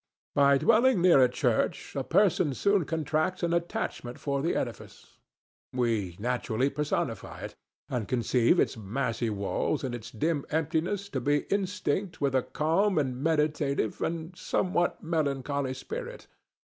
By dwelling near a church a person soon contracts an attachment for the edifice. We naturally personify it, and conceive its massy walls and its dim emptiness to be instinct with a calm and meditative and somewhat melancholy spirit.